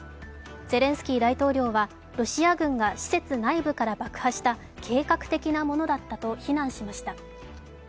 ゼレンスキー大統領はロシア軍が施設内部から爆破した計画的なものだったと非難しました。